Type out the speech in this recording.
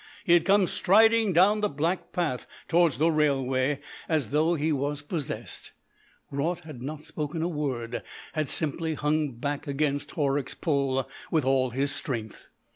He had come striding down the black path towards the railway as though he was possessed. Raut had not spoken a word, had simply hung back against Horrocks's pull with all his strength.